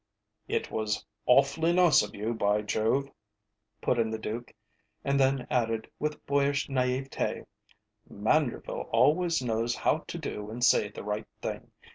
"It was awfully nice of you, by Jove!" put in the Duke, and then added with boyish naïveté: "Manderville always knows how to do and say the right thing.